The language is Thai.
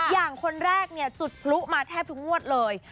อย่างคนแรกเนี่ยจุดพลุมาแทบทุกงวดเลย